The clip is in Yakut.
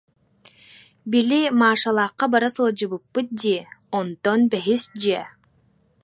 Били Машалаахха бара сылдьыбыппыт дии, онтон бэһис дьиэ